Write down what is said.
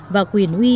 và quyền uy